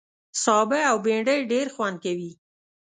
سابه او بېنډۍ ډېر خوند کوي